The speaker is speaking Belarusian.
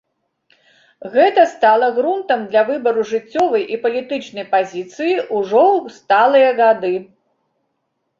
Гэта стала грунтам для выбару жыццёвай і палітычнай пазіцыі ўжо ў сталыя гады.